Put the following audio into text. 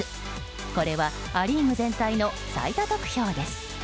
これはア・リーグ全体の最多得票です。